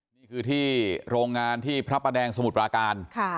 นี่คือที่โรงงานที่พระประแดงสมุทรปราการ